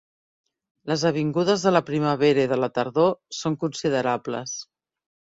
Les avingudes de la primavera i de la tardor són considerables.